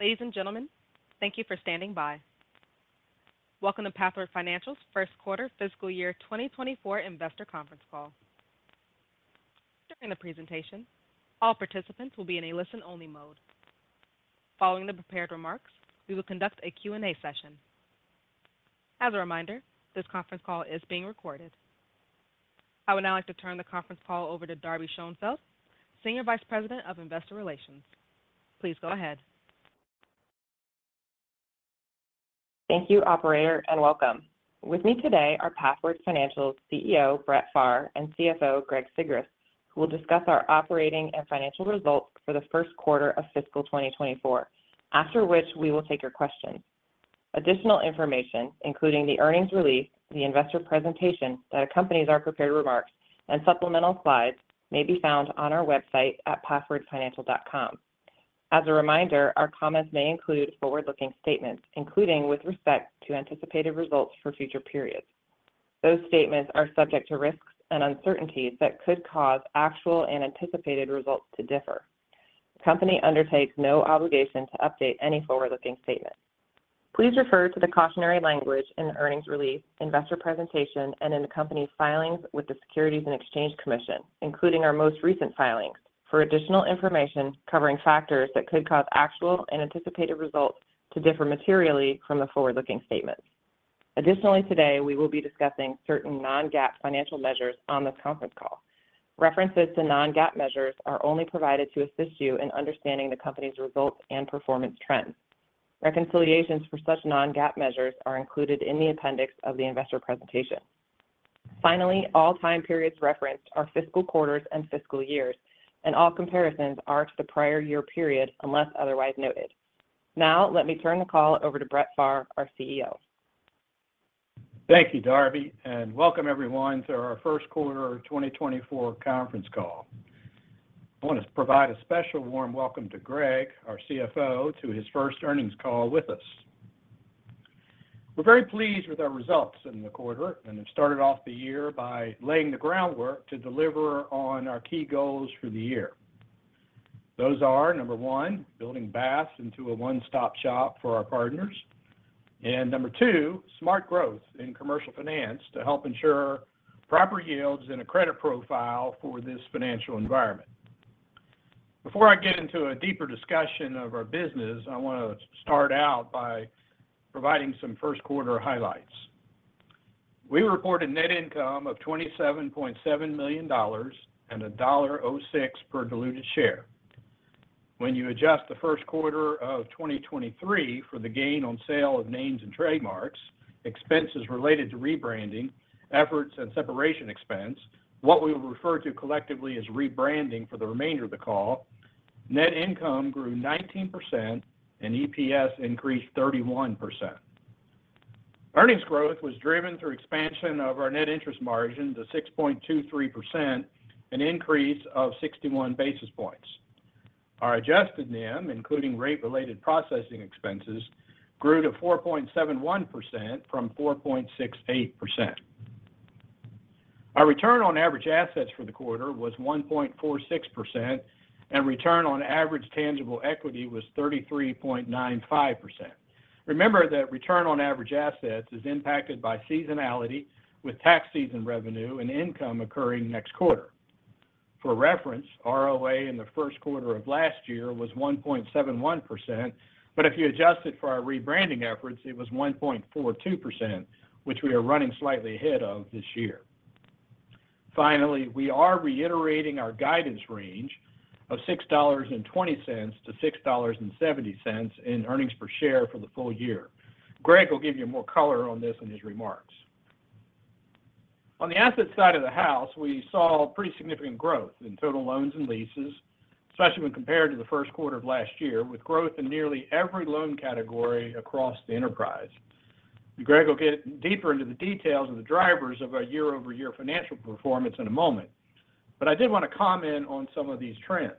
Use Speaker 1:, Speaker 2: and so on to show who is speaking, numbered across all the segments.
Speaker 1: Ladies and gentlemen, thank you for standing by. Welcome to Pathward Financial's first quarter fiscal year 2024 investor conference call. During the presentation, all participants will be in a listen-only mode. Following the prepared remarks, we will conduct a Q&A session. As a reminder, this conference call is being recorded. I would now like to turn the conference call over to Darby Schoenfeld, Senior Vice President of Investor Relations. Please go ahead.
Speaker 2: Thank you, operator, and welcome. With me today are Pathward Financial's CEO, Brett Pharr, and CFO, Greg Sigrist, who will discuss our operating and financial results for the first quarter of fiscal 2024, after which we will take your questions. Additional information, including the earnings release, the investor presentation that accompanies our prepared remarks, and supplemental slides, may be found on our website at pathwardfinancial.com. As a reminder, our comments may include forward-looking statements, including with respect to anticipated results for future periods. Those statements are subject to risks and uncertainties that could cause actual and anticipated results to differ. The company undertakes no obligation to update any forward-looking statements. Please refer to the cautionary language in the earnings release, investor presentation, and in the company's filings with the Securities and Exchange Commission, including our most recent filings, for additional information covering factors that could cause actual and anticipated results to differ materially from the forward-looking statements. Additionally, today, we will be discussing certain non-GAAP financial measures on this conference call. References to non-GAAP measures are only provided to assist you in understanding the company's results and performance trends. Reconciliations for such non-GAAP measures are included in the appendix of the investor presentation. Finally, all time periods referenced are fiscal quarters and fiscal years, and all comparisons are to the prior year period unless otherwise noted. Now, let me turn the call over to Brett Pharr, our CEO.
Speaker 3: Thank you, Darby, and welcome everyone to our first quarter of 2024 conference call. I want to provide a special warm welcome to Greg, our CFO, to his first earnings call with us. We're very pleased with our results in the quarter, and have started off the year by laying the groundwork to deliver on our key goals for the year. Those are, number one, building BaaS into a one-stop shop for our partners. Number two, smart growth Commercial Finance to help ensure proper yields and a credit profile for this financial environment. Before I get into a deeper discussion of our business, I want to start out by providing some first quarter highlights. We reported net income of $27.7 million and $1.06 per diluted share. When you adjust the first quarter of 2023 for the gain on sale of names and trademarks, expenses related to rebranding efforts and separation expense, what we will refer to collectively as rebranding for the remainder of the call, net income grew 19% and EPS increased 31%. Earnings growth was driven through expansion of our net interest margin to 6.23%, an increase of 61 basis points. Our adjusted NIM, including rate-related processing expenses, grew to 4.71% from 4.68%. Our return on average assets for the quarter was 1.46%, and return on average tangible equity was 33.95%. Remember that return on average assets is impacted by seasonality, with tax season revenue and income occurring next quarter. For reference, ROA in the first quarter of last year was 1.71%, but if you adjust it for our rebranding efforts, it was 1.42%, which we are running slightly ahead of this year. Finally, we are reiterating our guidance range of $6.20-$6.70 in earnings per share for the full year. Greg will give you more color on this in his remarks. On the asset side of the house, we saw pretty significant growth in total loans and leases, especially when compared to the first quarter of last year, with growth in nearly every loan category across the enterprise. Greg will get deeper into the details of the drivers of our year-over-year financial performance in a moment, but I did want to comment on some of these trends.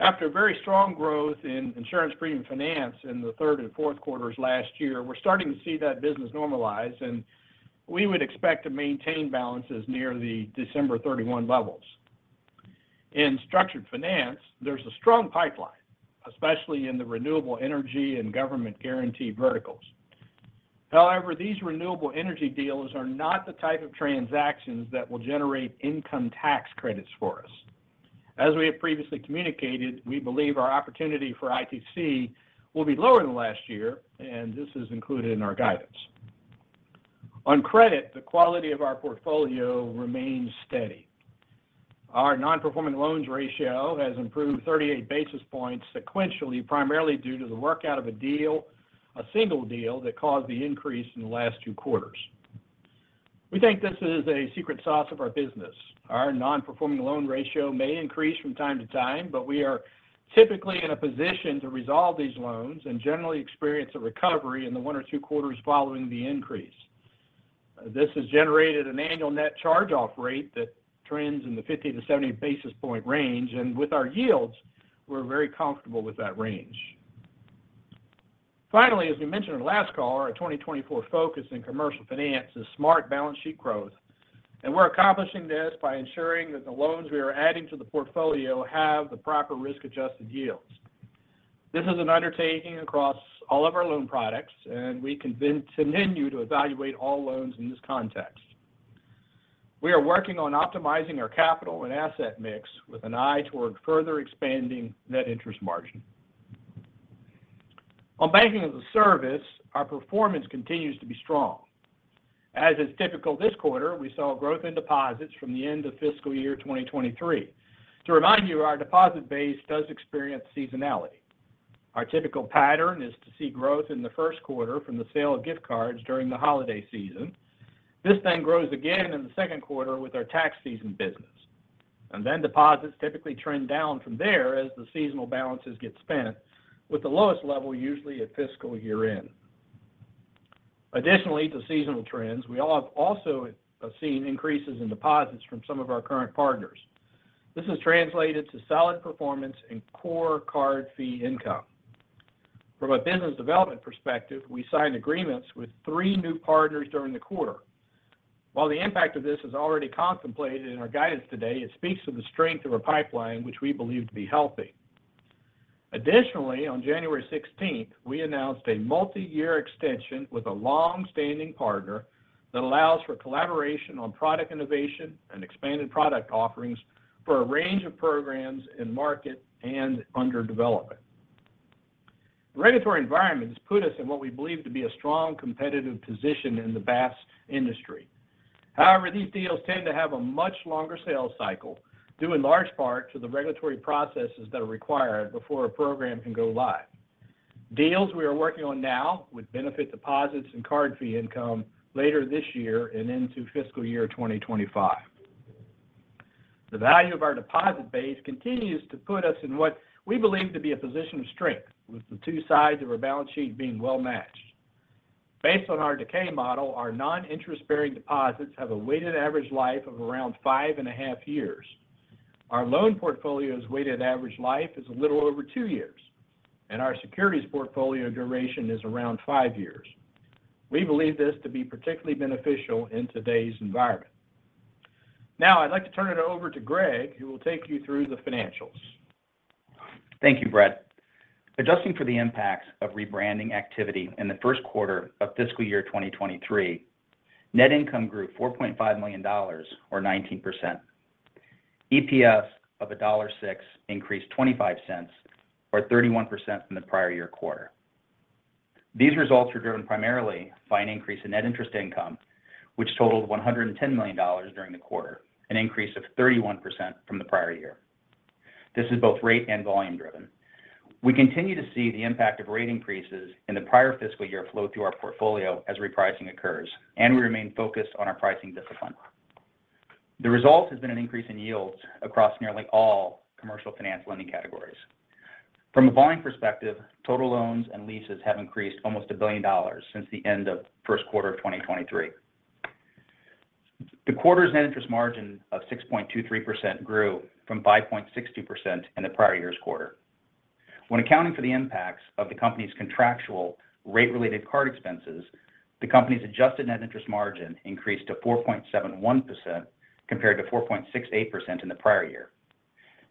Speaker 3: After a very strong growth in insurance premium finance in the third and fourth quarters last year, we're starting to see that business normalize, and we would expect to maintain balances near the December 31 levels. In structured finance, there's a strong pipeline, especially in the renewable energy and government-guaranteed verticals. However, these renewable energy deals are not the type of transactions that will generate income tax credits for us. As we have previously communicated, we believe our opportunity for ITC will be lower than last year, and this is included in our guidance. On credit, the quality of our portfolio remains steady. Our non-performing loans ratio has improved 38 basis points sequentially, primarily due to the workout of a deal, a single deal that caused the increase in the last two quarters. We think this is a secret sauce of our business. Our non-performing loan ratio may increase from time to time, but we are typically in a position to resolve these loans and generally experience a recovery in the one or two quarters following the increase. This has generated an annual net charge-off rate that trends in the 50-70 basis point range, and with our yields, we're very comfortable with that range. Finally, as we mentioned in the last call, our 2024 focus in Commercial Finance is smart balance sheet growth, and we're accomplishing this by ensuring that the loans we are adding to the portfolio have the proper risk-adjusted yields. This is an undertaking across all of our loan products, and we continue to evaluate all loans in this context. We are working on optimizing our capital and asset mix with an eye toward further expanding net interest margin. On Banking-as-a-Service, our performance continues to be strong. As is typical this quarter, we saw growth in deposits from the end of fiscal year 2023. To remind you, our deposit base does experience seasonality. Our typical pattern is to see growth in the first quarter from the sale of gift cards during the holiday season. This then grows again in the second quarter with our tax season business. Then deposits typically trend down from there as the seasonal balances get spent, with the lowest level usually at fiscal year-end. Additionally, to seasonal trends, we all have also seen increases in deposits from some of our current partners. This has translated to solid performance in core card fee income. From a business development perspective, we signed agreements with three new partners during the quarter. While the impact of this is already contemplated in our guidance today, it speaks to the strength of a pipeline which we believe to be healthy. Additionally, on January 16, we announced a multi-year extension with a long-standing partner that allows for collaboration on product innovation and expanded product offerings for a range of programs in market and under development. Regulatory environment has put us in what we believe to be a strong competitive position in the BaaS industry. However, these deals tend to have a much longer sales cycle, due in large part to the regulatory processes that are required before a program can go live. Deals we are working on now would benefit deposits and card fee income later this year and into fiscal year 2025. The value of our deposit base continues to put us in what we believe to be a position of strength, with the two sides of our balance sheet being well matched. Based on our decay model, our non-interest-bearing deposits have a weighted average life of around 5.5 years. Our loan portfolio's weighted average life is a little over 2 years, and our securities portfolio duration is around 5 years. We believe this to be particularly beneficial in today's environment. Now, I'd like to turn it over to Greg, who will take you through the financials.
Speaker 4: Thank you, Brett. Adjusting for the impacts of rebranding activity in the first quarter of fiscal year 2023, net income grew $4.5 million or 19%. EPS of $1.06 increased $0.25 or 31% from the prior year quarter. These results were driven primarily by an increase in net interest income, which totaled $110 million during the quarter, an increase of 31% from the prior year. This is both rate and volume driven. We continue to see the impact of rate increases in the prior fiscal year flow through our portfolio as repricing occurs, and we remain focused on our pricing discipline. The result has been an increase in yields across nearly all Commercial Finance lending categories. From a volume perspective, total loans and leases have increased almost $1 billion since the end of first quarter of 2023. The quarter's net interest margin of 6.23% grew from 5.62% in the prior year's quarter. When accounting for the impacts of the company's contractual rate-related card expenses, the company's adjusted net interest margin increased to 4.71% compared to 4.68% in the prior year.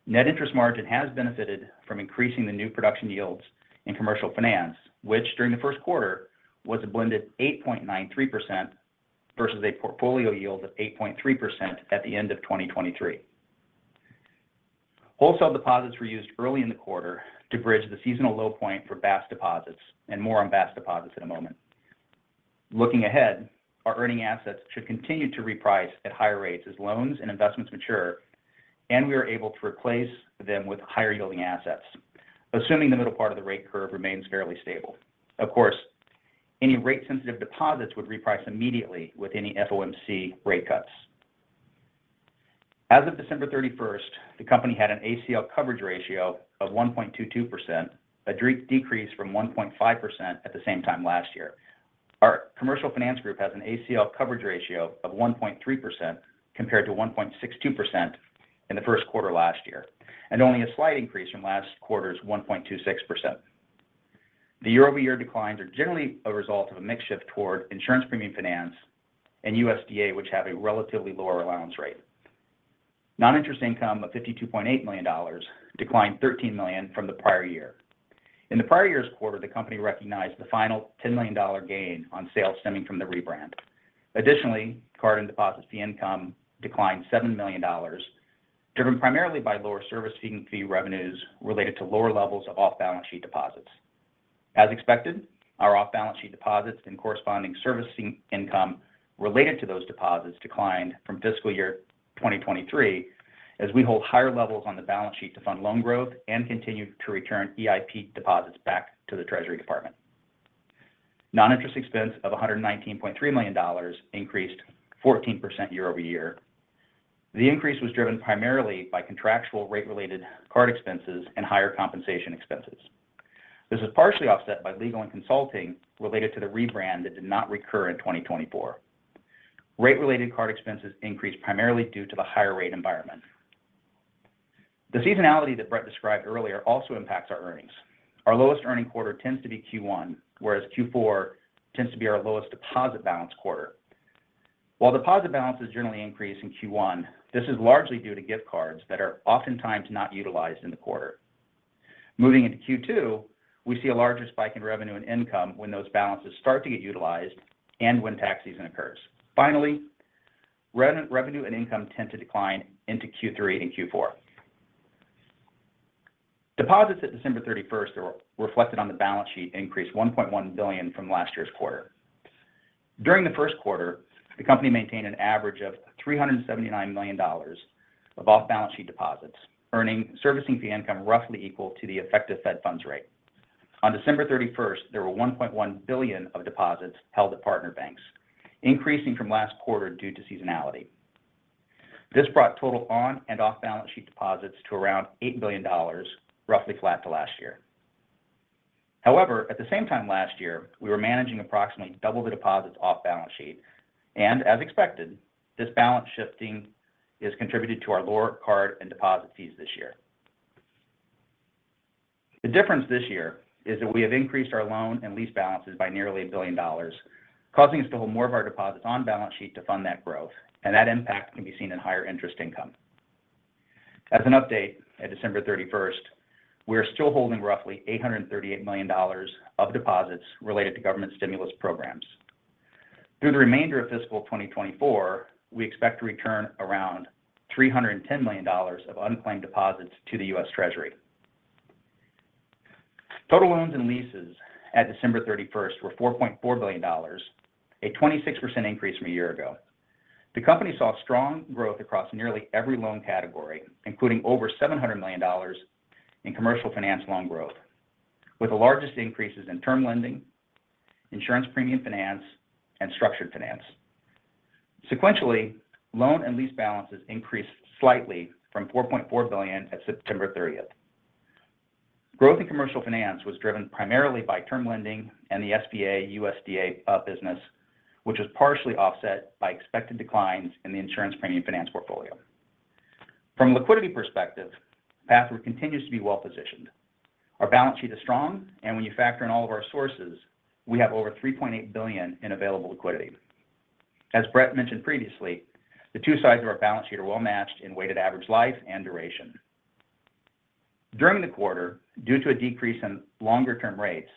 Speaker 4: Net interest margin has benefited from increasing the new production yields in Commercial Finance, which during the first quarter was a blended 8.93% versus a portfolio yield of 8.3% at the end of 2023. Wholesale deposits were used early in the quarter to bridge the seasonal low point for BaaS deposits, and more on BaaS deposits in a moment. Looking ahead, our earning assets should continue to reprice at higher rates as loans and investments mature, and we are able to replace them with higher-yielding assets, assuming the middle part of the rate curve remains fairly stable. Of course, any rate-sensitive deposits would reprice immediately with any FOMC rate cuts. As of December 31, the company had an ACL coverage ratio of 1.22%, a decrease from 1.5% at the same time last year. Our Commercial Finance group has an ACL coverage ratio of 1.3%, compared to 1.62% in the first quarter last year, and only a slight increase from last quarter's 1.26%. The year-over-year declines are generally a result of a mix shift toward insurance premium finance and USDA, which have a relatively lower allowance rate. Noninterest income of $52.8 million declined $13 million from the prior year. In the prior year's quarter, the company recognized the final $10 million gain on sales stemming from the rebrand. Additionally, card and deposit fee income declined $7 million, driven primarily by lower servicing fee revenues related to lower levels of off-balance sheet deposits. As expected, our off-balance sheet deposits and corresponding servicing income related to those deposits declined from fiscal year 2023, as we hold higher levels on the balance sheet to fund loan growth and continue to return EIP deposits back to the Treasury Department. Noninterest expense of $119.3 million increased 14% year-over-year. The increase was driven primarily by contractual rate-related card expenses and higher compensation expenses. This is partially offset by legal and consulting related to the rebrand that did not recur in 2024. Rate-related card expenses increased primarily due to the higher rate environment. The seasonality that Brett described earlier also impacts our earnings. Our lowest earning quarter tends to be Q1, whereas Q4 tends to be our lowest deposit balance quarter. While deposit balances generally increase in Q1, this is largely due to gift cards that are oftentimes not utilized in the quarter. Moving into Q2, we see a larger spike in revenue and income when those balances start to get utilized and when tax season occurs. Finally, revenue and income tend to decline into Q3 and Q4. Deposits at December 31 as reflected on the balance sheet increased $1.1 billion from last year's quarter. During the first quarter, the company maintained an average of $379 million of off-balance sheet deposits, earning servicing fee income roughly equal to the effective Fed funds rate. On December 31st, there were $1.1 billion of deposits held at partner banks, increasing from last quarter due to seasonality. This brought total on and off-balance sheet deposits to around $8 billion, roughly flat to last year. However, at the same time last year, we were managing approximately double the deposits off balance sheet, and as expected, this balance shifting has contributed to our lower card and deposit fees this year. The difference this year is that we have increased our loan and lease balances by nearly $1 billion, causing us to hold more of our deposits on balance sheet to fund that growth, and that impact can be seen in higher interest income. As an update, at December 31st, we are still holding roughly $838 million of deposits related to government stimulus programs. Through the remainder of fiscal 2024, we expect to return around $310 million of unclaimed deposits to the US Treasury. Total loans and leases at December 31st were $4.4 billion, a 26% increase from a year ago. The company saw strong growth across nearly every loan category, including over $700 million in Commercial Finance loan growth, with the largest increases in term lending, insurance premium finance, and structured finance. Sequentially, loan and lease balances increased slightly from $4.4 billion at September 30th. Growth in Commercial Finance was driven primarily by term lending and the SBA, USDA, business, which was partially offset by expected declines in the insurance premium finance portfolio. From a liquidity perspective, Pathward continues to be well-positioned. Our balance sheet is strong, and when you factor in all of our sources, we have over $3.8 billion in available liquidity. As Brett mentioned previously, the two sides of our balance sheet are well-matched in weighted average life and duration. During the quarter, due to a decrease in longer-term rates,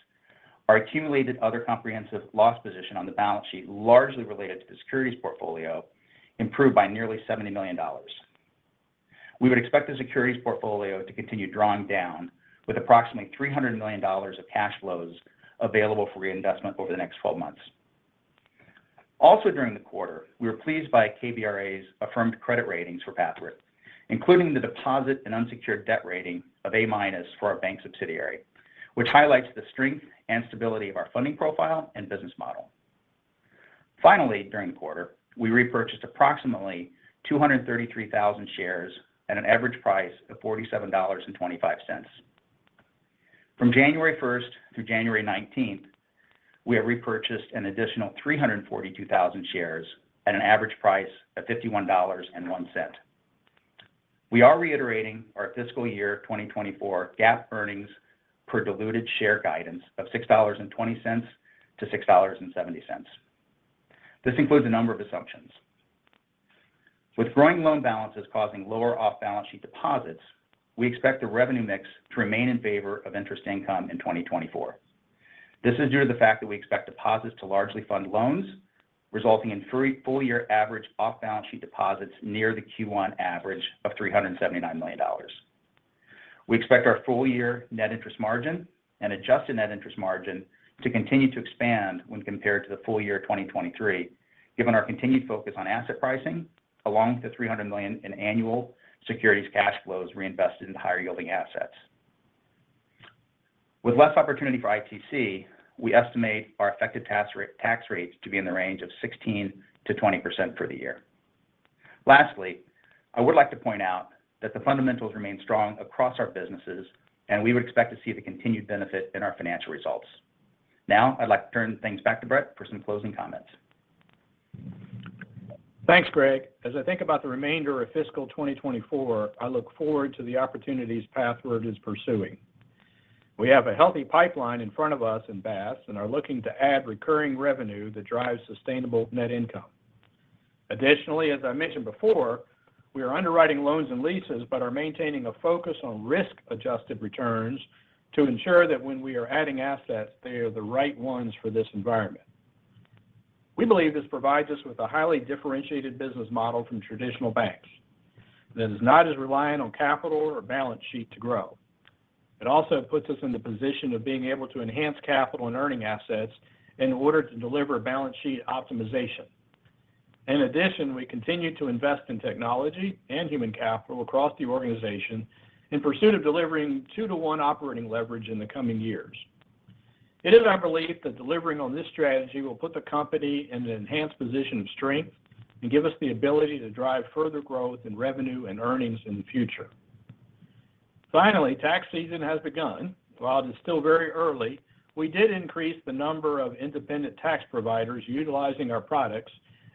Speaker 4: our accumulated other comprehensive loss position on the balance sheet, largely related to the securities portfolio, improved by nearly $70 million. We would expect the securities portfolio to continue drawing down with approximately $300 million of cash flows available for reinvestment over the next twelve months. Also during the quarter, we were pleased by KBRA's affirmed credit ratings for Pathward, including the deposit and unsecured debt rating of A-minus for our bank subsidiary, which highlights the strength and stability of our funding profile and business model. Finally, during the quarter, we repurchased approximately 233,000 shares at an average price of $47.25. From January 1 through January 19, we have repurchased an additional 342,000 shares at an average price of $51.01. We are reiterating our fiscal year 2024 GAAP earnings per diluted share guidance of $6.20-$6.70. This includes a number of assumptions. With growing loan balances causing lower off-balance sheet deposits, we expect the revenue mix to remain in favor of interest income in 2024. This is due to the fact that we expect deposits to largely fund loans, resulting in the full-year average off-balance sheet deposits near the Q1 average of $379 million. We expect our full-year net interest margin and adjusted net interest margin to continue to expand when compared to the full year 2023, given our continued focus on asset pricing, along with the $300 million in annual securities cash flows reinvested into higher-yielding assets. With less opportunity for ITC, we estimate our effective tax rate to be in the range of 16%-20% for the year. Lastly, I would like to point out that the fundamentals remain strong across our businesses, and we would expect to see the continued benefit in our financial results. Now, I'd like to turn things back to Brett for some closing comments.
Speaker 3: Thanks, Greg. As I think about the remainder of fiscal 2024, I look forward to the opportunities Pathward is pursuing. We have a healthy pipeline in front of us in BaaS and are looking to add recurring revenue that drives sustainable net income. Additionally, as I mentioned before, we are underwriting loans and leases, but are maintaining a focus on risk-adjusted returns to ensure that when we are adding assets, they are the right ones for this environment. We believe this provides us with a highly differentiated business model from traditional banks that is not as reliant on capital or balance sheet to grow. It also puts us in the position of being able to enhance capital and earning assets in order to deliver balance sheet optimization. In addition, we continue to invest in technology and human capital across the organization in pursuit of delivering 2-to-1 operating leverage in the coming years. It is our belief that delivering on this strategy will put the company in an enhanced position of strength and give us the ability to drive further growth in revenue and earnings in the future. Finally, tax season has begun. While it's still very early, we did increase the number of independent tax providers utilizing our products,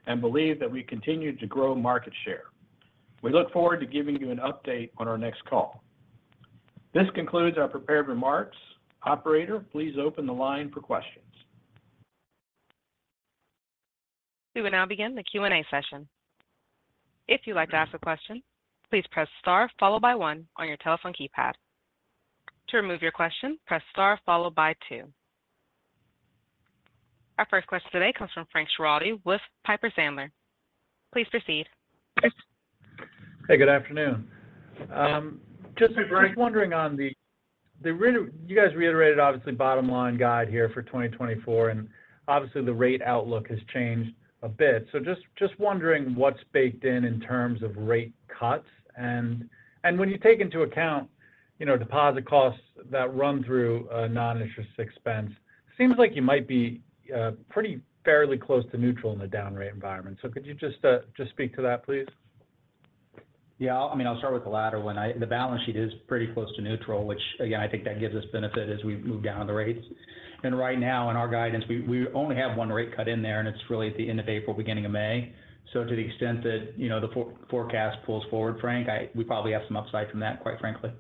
Speaker 3: and believe that we continued to grow market share. We look forward to giving you an update on our next call. This concludes our prepared remarks. Operator, please open the line for questions.
Speaker 1: We will now begin the Q&A session. If you'd like to ask a question, please press star followed by one on your telephone keypad. To remove your question, press star followed by two. Our first question today comes from Frank Schiraldi with Piper Sandler. Please proceed.
Speaker 5: Hey, good afternoon.
Speaker 3: Hey, Frank
Speaker 5: Just wondering on the, you guys reiterated obviously bottom-line guide here for 2024, and obviously the rate outlook has changed a bit. So just wondering what's baked in in terms of rate cuts. And when you take into account, you know, deposit costs that run through non-interest expense, seems like you might be pretty fairly close to neutral in the down rate environment. So could you just speak to that, please?
Speaker 4: Yeah, I mean, I'll start with the latter one. The balance sheet is pretty close to neutral, which again, I think that gives us benefit as we move down on the rates. And right now, in our guidance, we, we only have one rate cut in there, and it's really at the end of April, beginning of May. So to the extent that, you know, the forecast pulls forward, Frank, we probably have some upside from that, quite frankly.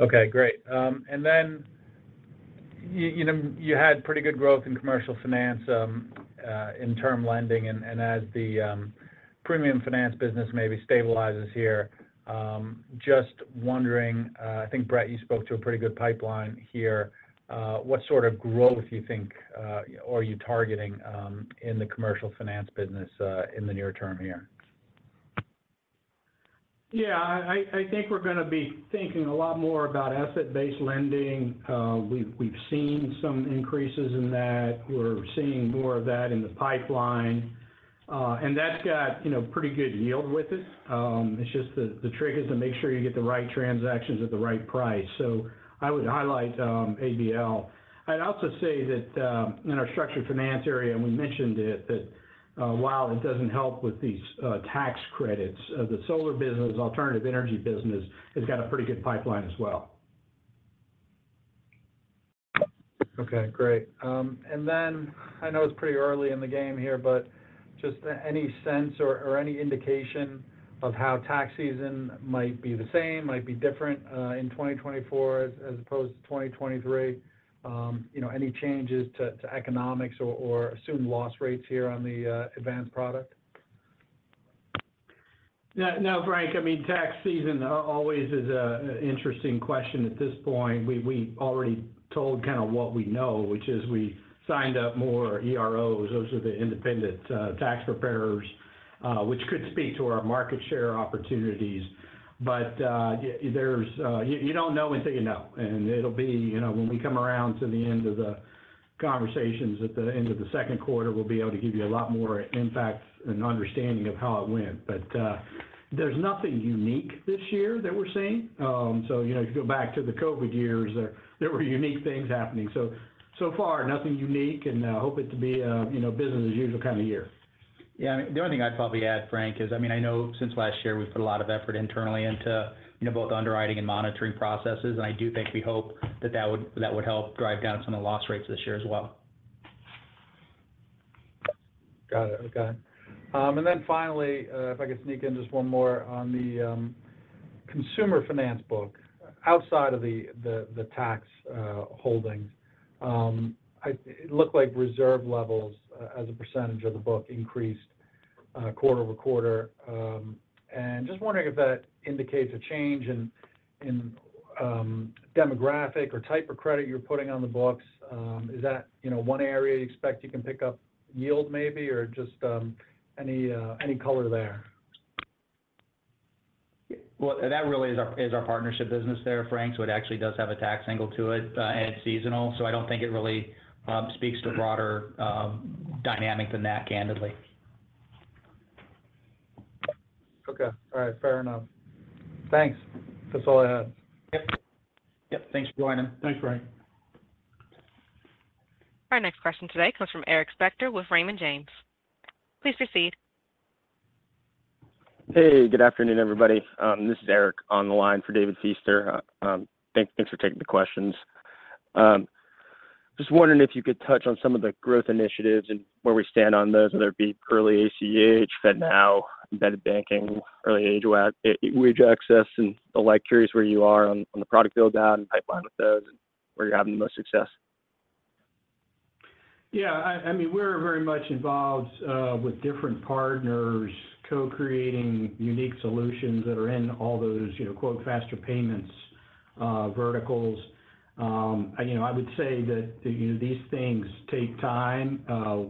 Speaker 5: Okay, great. And then, you know, you had pretty good growth in Commercial Finance, in term lending, and as the premium finance business maybe stabilizes here, just wondering, I think, Brett, you spoke to a pretty good pipeline here. What sort of growth do you think are you targeting in the Commercial Finance business in the near term here?
Speaker 3: Yeah, I think we're going to be thinking a lot more about asset-based lending. We've seen some increases in that. We're seeing more of that in the pipeline, and that's got, you know, pretty good yield with it. It's just the trick is to make sure you get the right transactions at the right price. So I would highlight ABL. I'd also say that in our structured finance area, and we mentioned it, that while it doesn't help with these tax credits, the solar business, alternative energy business, has got a pretty good pipeline as well.
Speaker 5: Okay, great. And then, I know it's pretty early in the game here, but just any sense or any indication of how tax season might be the same, might be different, in 2024 as opposed to 2023? You know, any changes to economics or assumed loss rates here on the advanced product?
Speaker 3: Yeah. No, Frank, I mean, tax season always is an interesting question at this point. We already told kind of what we know, which is we signed up more EROs. Those are the independent tax preparers, which could speak to our market share opportunities. But you don't know until you know. And it'll be, you know, when we come around to the end of the conversations at the end of the second quarter, we'll be able to give you a lot more impact and understanding of how it went. But there's nothing unique this year that we're seeing. So, you know, if you go back to the COVID years, there were unique things happening. So far, nothing unique, and hope it to be a, you know, business as usual kind of year.
Speaker 4: Yeah, the only thing I'd probably add, Frank, is, I mean, I know since last year, we've put a lot of effort internally into, you know, both underwriting and monitoring processes. And I do think we hope that that would, that would help drive down some of the loss rates this year as well.
Speaker 5: Got it. Okay. And then finally, if I could sneak in just one more on the consumer finance book. Outside of the tax holdings, it looked like reserve levels as a percentage of the book increased quarter-over-quarter. And just wondering if that indicates a change in demographic or type of credit you're putting on the books. Is that, you know, one area you expect you can pick up yield maybe, or just any color there?
Speaker 4: Well, that really is our partnership business there, Frank, so it actually does have a tax angle to it, and it's seasonal, so I don't think it really speaks to broader dynamic than that, candidly.
Speaker 5: Okay. All right, fair enough. Thanks. That's all I have.
Speaker 4: Yep.
Speaker 3: Yep, thanks for joining in. Thanks, Frank.
Speaker 1: Our next question today comes from Eric Spector with Raymond James. Please proceed.
Speaker 6: Hey, good afternoon, everybody. This is Eric on the line for David Feaster. Thanks for taking the questions. Just wondering if you could touch on some of the growth initiatives and where we stand on those, whether it be early ACH, FedNow, embedded banking, earned wage access, and the like. Curious where you are on the product build-out and pipeline with those, and where you're having the most success.
Speaker 3: Yeah, I mean, we're very much involved with different partners, co-creating unique solutions that are in all those, you know, "faster payments," verticals. You know, I would say that, you know, these things take time.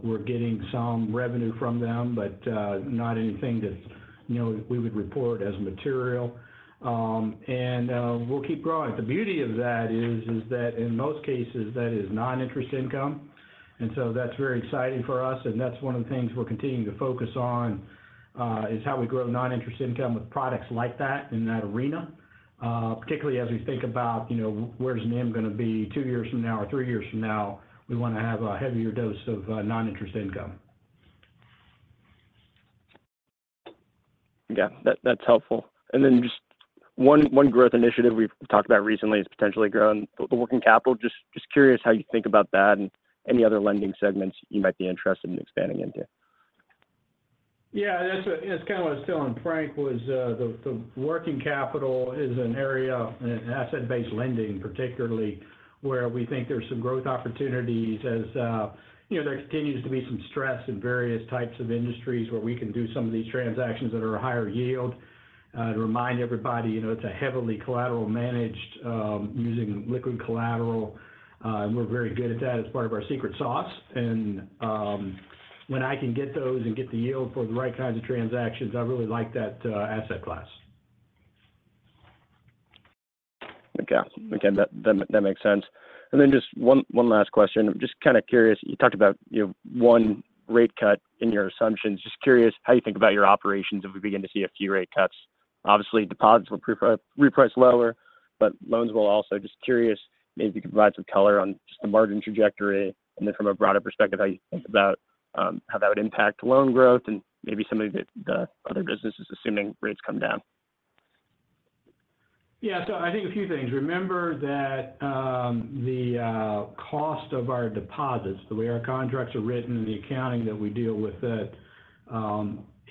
Speaker 3: We're getting some revenue from them, but, not anything that, you know, we would report as material. And, we'll keep growing. The beauty of that is that in most cases, that is non-interest income, and so that's very exciting for us. And that's one of the things we're continuing to focus on, is how we grow non-interest income with products like that in that arena. Particularly as we think about, you know, where's NIM going to be two years from now or three years from now, we want to have a heavier dose of, non-interest income....
Speaker 6: Yeah, that's helpful. And then just one growth initiative we've talked about recently is potentially growing the working capital. Just curious how you think about that and any other lending segments you might be interested in expanding into?
Speaker 3: Yeah, that's what I was telling Frank, was, the working capital is an area, in asset-based lending, particularly, where we think there's some growth opportunities as, you know, there continues to be some stress in various types of industries where we can do some of these transactions that are higher yield. To remind everybody, you know, it's a heavily collateral managed, using liquid collateral, and we're very good at that. It's part of our secret sauce. And, when I can get those and get the yield for the right kinds of transactions, I really like that, asset class.
Speaker 6: Okay. Okay, that, that makes sense. And then just one, one last question. I'm just kind of curious, you talked about, you know, one rate cut in your assumptions. Just curious how you think about your operations if we begin to see a few rate cuts. Obviously, deposits will reprice lower, but loans will also. Just curious, maybe you can provide some color on just the margin trajectory, and then from a broader perspective, how you think about, how that would impact loan growth and maybe some of the, the other businesses, assuming rates come down.
Speaker 3: Yeah. So I think a few things. Remember that, the cost of our deposits, the way our contracts are written and the accounting that we deal with it,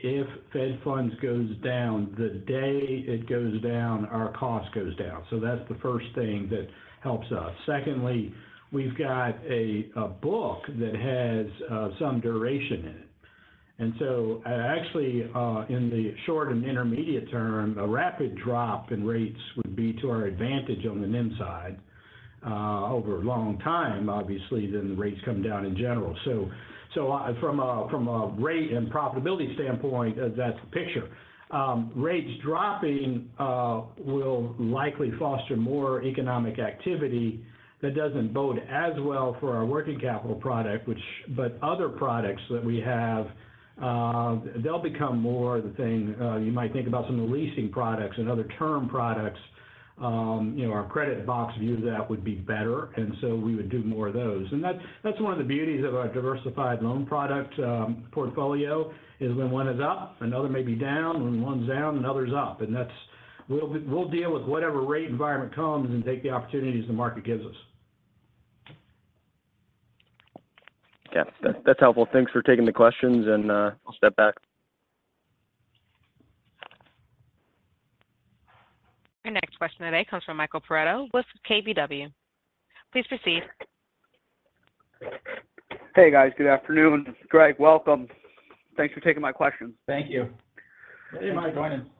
Speaker 3: if Fed funds goes down, the day it goes down, our cost goes down. So that's the first thing that helps us. Secondly, we've got a book that has some duration in it. And so actually, in the short and intermediate term, a rapid drop in rates would be to our advantage on the inside. Over a long time, obviously, then the rates come down in general. So from a rate and profitability standpoint, that's the picture. Rates dropping will likely foster more economic activity that doesn't bode as well for our working capital product, which-- but other products that we have, they'll become more the thing. You might think about some of the leasing products and other term products, you know, our credit box view of that would be better, and so we would do more of those. And that's one of the beauties of our diversified loan product portfolio, is when one is up, another may be down, when one's down, another's up. And that's—we'll deal with whatever rate environment comes and take the opportunities the market gives us.
Speaker 6: Yeah. That's, that's helpful. Thanks for taking the questions, and I'll step back.
Speaker 1: Your next question today comes from Michael Perito with KBW. Please proceed.
Speaker 7: Hey, guys. Good afternoon. Greg, welcome. Thanks for taking my questions.
Speaker 4: Thank you.
Speaker 3: Hey, Mike. Join in.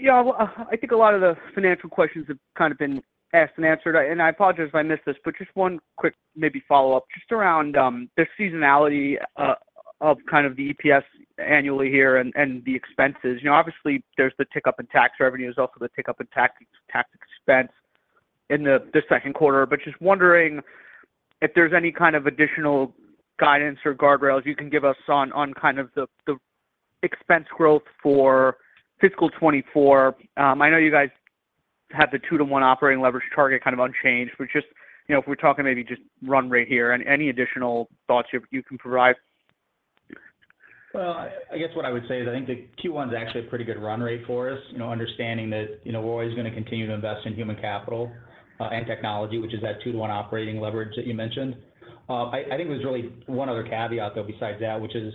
Speaker 7: Yeah, well, I think a lot of the financial questions have kind of been asked and answered, and I apologize if I missed this, but just one quick maybe follow-up, just around the seasonality of kind of the EPS annually here and the expenses. You know, obviously, there's the tick-up in tax revenue, there's also the tick-up in tax expense in the second quarter. But just wondering if there's any kind of additional guidance or guardrails you can give us on kind of the expense growth for fiscal 2024. I know you guys have the 2-to-1 operating leverage target kind of unchanged, but just, you know, if we're talking maybe just run rate here, and any additional thoughts you can provide?
Speaker 4: Well, I guess what I would say is, I think the Q1 is actually a pretty good run rate for us. You know, understanding that, you know, we're always going to continue to invest in human capital and technology, which is that 2-to-1 operating leverage that you mentioned. I think there's really one other caveat, though, besides that, which is,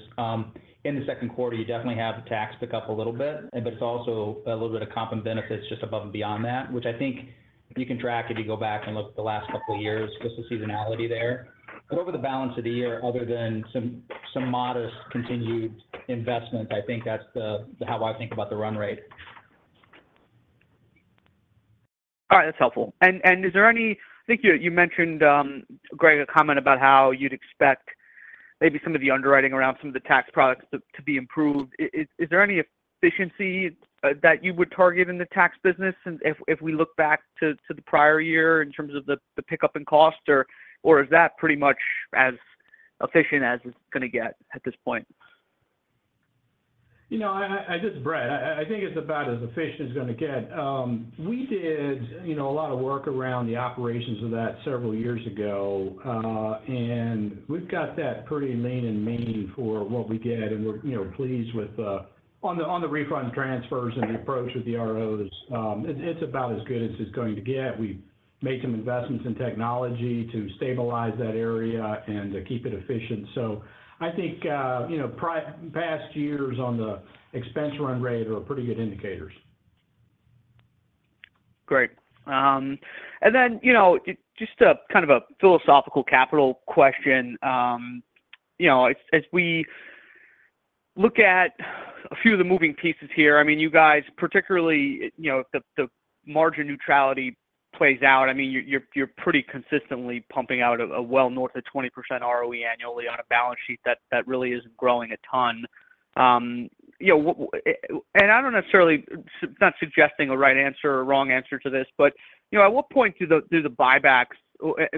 Speaker 4: in the second quarter, you definitely have the tax pick up a little bit, but it's also a little bit of comp and benefits just above and beyond that, which I think if you can track, if you go back and look at the last couple of years, just the seasonality there. But over the balance of the year, other than some modest continued investment, I think that's how I think about the run rate.
Speaker 7: All right. That's helpful. And is there any—I think you mentioned, Greg, a comment about how you'd expect maybe some of the underwriting around some of the tax products to be improved. Is there any efficiency that you would target in the tax business and if we look back to the prior year in terms of the pickup in cost, or is that pretty much as efficient as it's going to get at this point?
Speaker 3: You know, this is Brett. I think it's about as efficient as it's going to get. We did, you know, a lot of work around the operations of that several years ago, and we've got that pretty lean and mean for what we get, and we're, you know, pleased with on the refund transfers and the approach with the EROs, it's about as good as it's going to get. We've made some investments in technology to stabilize that area and to keep it efficient. So I think, you know, past years on the expense run rate are pretty good indicators.
Speaker 7: Great. And then, you know, just a kind of a philosophical capital question. You know, as, as we look at a few of the moving pieces here, I mean, you guys, particularly, you know, if the, the margin neutrality plays out, I mean, you're, you're, you're pretty consistently pumping out a well north of 20% ROE annually on a balance sheet that, that really isn't growing a ton. You know, and I don't necessarily- not suggesting a right answer or a wrong answer to this, but, you know, at what point do the, do the buybacks...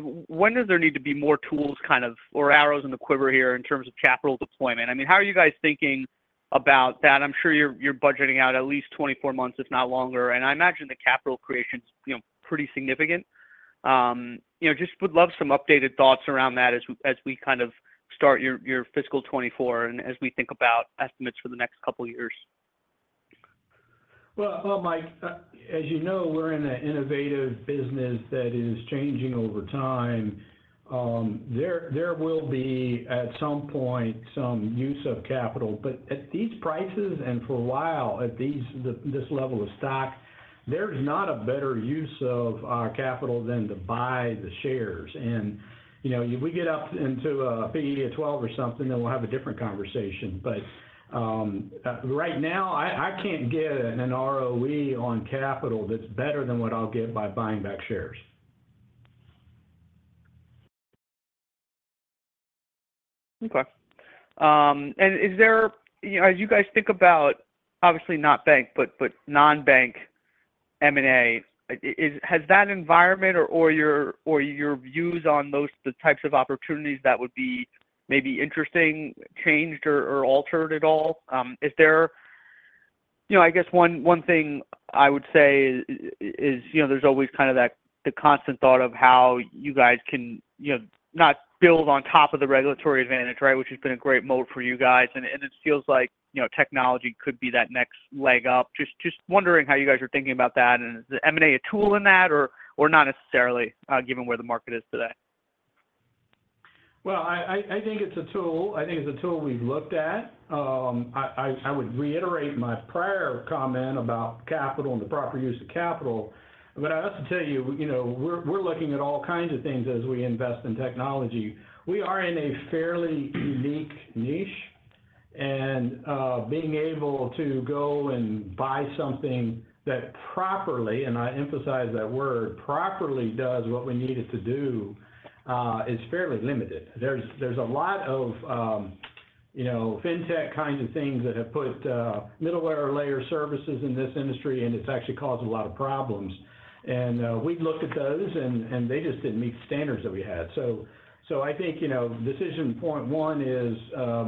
Speaker 7: When does there need to be more tools kind of, or arrows in the quiver here in terms of capital deployment? I mean, how are you guys thinking about that? I'm sure you're budgeting out at least 24 months, if not longer, and I imagine the capital creation's, you know, pretty significant. You know, just would love some updated thoughts around that as we kind of start your fiscal 2024, and as we think about estimates for the next couple of years.
Speaker 3: Well, well, Mike, as you know, we're in an innovative business that is changing over time. There will be, at some point, some use of capital. But at these prices, and for a while, at this level of stock, there's not a better use of our capital than to buy the shares. And, you know, if we get up into a P/E of 12 or something, then we'll have a different conversation. But right now, I can't get an ROE on capital that's better than what I'll get by buying back shares.
Speaker 7: Okay. And is there, you know, as you guys think about, obviously not bank, but, but non-bank M&A, has that environment or, or your, or your views on those, the types of opportunities that would be maybe interesting, changed or, or altered at all? Is there. You know, I guess one, one thing I would say is, you know, there's always kind of that, the constant thought of how you guys can, you know, not build on top of the regulatory advantage, right? Which has been a great moat for you guys, and, and it feels like, you know, technology could be that next leg up. Just, just wondering how you guys are thinking about that, and is the M&A a tool in that or, or not necessarily, given where the market is today?
Speaker 3: Well, I think it's a tool. I think it's a tool we've looked at. I would reiterate my prior comment about capital and the proper use of capital. But I'd also tell you, you know, we're looking at all kinds of things as we invest in technology. We are in a fairly unique niche, and being able to go and buy something that properly, and I emphasize that word, properly does what we need it to do, is fairly limited. There's a lot of, you know, fintech kinds of things that have put middleware layer services in this industry, and it's actually caused a lot of problems. And we've looked at those, and they just didn't meet the standards that we had. So I think, you know, decision point one is,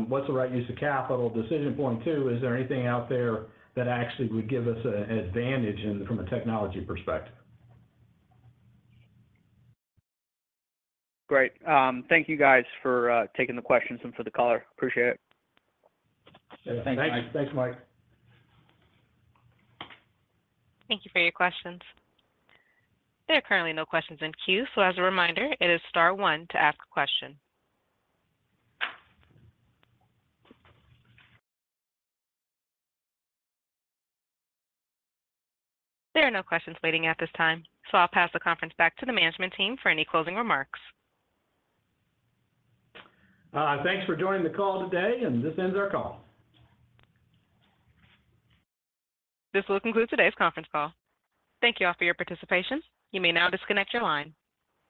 Speaker 3: what's the right use of capital? Decision point two, is there anything out there that actually would give us an advantage in it from a technology perspective?
Speaker 7: Great. Thank you guys for taking the questions and for the caller. Appreciate it.
Speaker 3: Yeah. Thank you.
Speaker 7: Thanks, Mike.
Speaker 1: Thank you for your questions. There are currently no questions in queue, so as a reminder, it is star one to ask a question. There are no questions waiting at this time, so I'll pass the conference back to the management team for any closing remarks.
Speaker 3: Thanks for joining the call today, and this ends our call.
Speaker 1: This will conclude today's conference call. Thank you all for your participation. You may now disconnect your line.